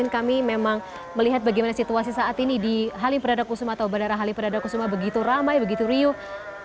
kami memang melihat bagaimana situasi saat ini di halim perdana kusuma atau bandara halim perdana kusuma begitu ramai begitu riuh